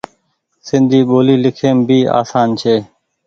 سندي ٻولي لکيم ڀي آسان ڇي۔